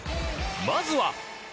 まずは。